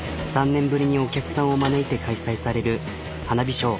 ３年ぶりにお客さんを招いて開催される花火ショー。